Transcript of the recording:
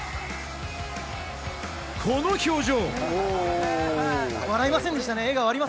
この表情！